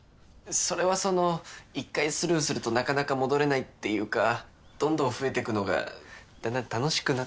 それはその１回スルーするとなかなか戻れないっていうかどんどん増えてくのがだんだん楽しく。